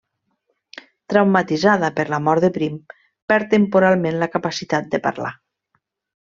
Traumatitzada per la mort de Prim, perd temporalment la capacitat de parlar.